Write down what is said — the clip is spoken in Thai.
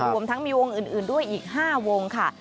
รวมทั้งมีวงอื่นด้วยอีก๕วงค่ะ